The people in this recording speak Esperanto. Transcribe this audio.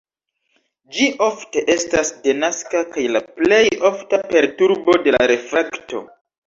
Ĝi ofte estas denaska kaj la plej ofta perturbo de la refrakto.